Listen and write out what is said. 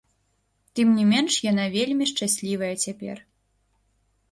Тым не менш, яна вельмі шчаслівая цяпер.